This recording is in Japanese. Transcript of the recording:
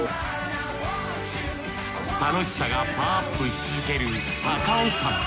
楽しさがパワーアップし続ける高尾山。